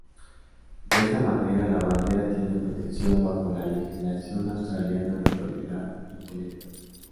De esta manera, la bandera tiene protección bajo la legislación australiana de propiedad intelectual.